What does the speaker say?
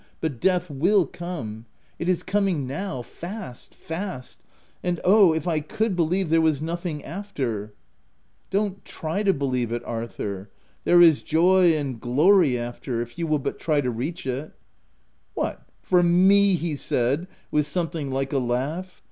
But death will come — it is coming now — fast, fast ! —and — Oh, if I could believe there was nothing after !' u i Don't try to believe it, Arthur ; there is joy and glory after, if you will but try to reach it!' u c What, for me V he said, with something like a laugh.